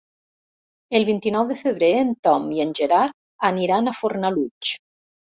El vint-i-nou de febrer en Tom i en Gerard aniran a Fornalutx.